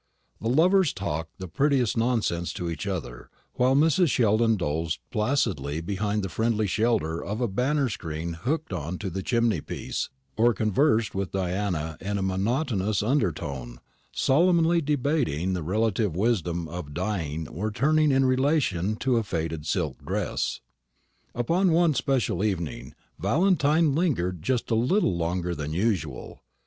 The lovers talked the prettiest nonsense to each other, while Mrs. Sheldon dozed placidly behind the friendly shelter of a banner screen hooked on to the chimney piece, or conversed with Diana in a monotonous undertone, solemnly debating the relative wisdom of dyeing or turning in relation to a faded silk dress. Upon one special evening Valentine lingered just a little longer than usual.